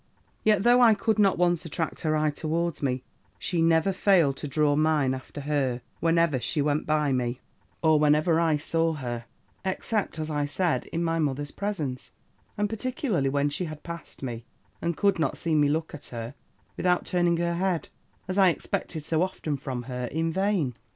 "Yet, though I could not once attract her eye towards me, she never failed to draw mine after her, whenever she went by me, or wherever I saw her, except, as I said, in my mother's presence; and particularly when she had passed me, and could not see me look at her, without turning her head, as I expected so often from her in vain.